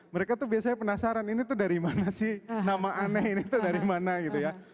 mereka tuh biasanya penasaran ini tuh dari mana sih nama aneh ini tuh dari mana gitu ya